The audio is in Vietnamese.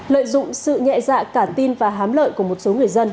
lợi dụng sự nhẹ dạ cả tin và hám lợi của một số người dân